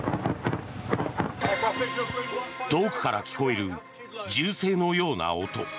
遠くから聞こえる銃声のような音。